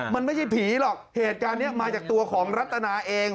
มันไม่ใช่ผีหรอกเหตุการณ์นี้มาจากตัวของรัตนาเอง